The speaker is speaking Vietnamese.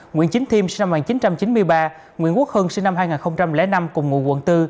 nguyễn chính thiêm nguyễn quốc hưng cùng ngụ quận bốn